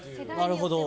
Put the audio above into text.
なるほど。